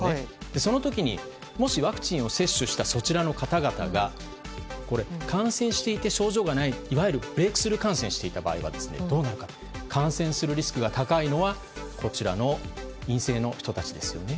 その時にもしワクチンを接種した方々が感染していて症状がないいわゆるブレークスルー感染していた場合どうなるかというと感染するリスクが高いのはこちらの陰性の人たちですね。